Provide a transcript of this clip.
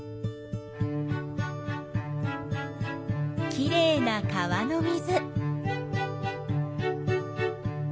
きれいな川の水。